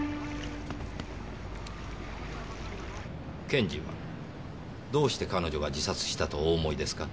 検事はどうして彼女が自殺したとお思いですか？